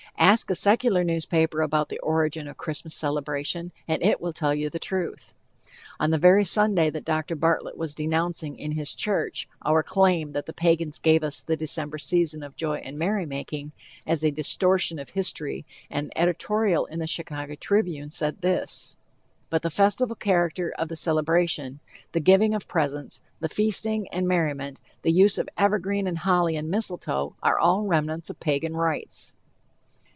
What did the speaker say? Ask a secular newspaper about the origin of the Christmas celebration, and it will tell you the truth. On the very Sunday that Dr. Bartlett was denouncing, in his church, our claim that the Pagans gave us the December season of joy and merry making, as "a distortion of history," and editorial in the Chicago Tribune said this: But the festive character of the celebration, the giving of presents, the feasting and merriment, the use of evergreen and holly and mistletoe, are all remnants of Pagan rites.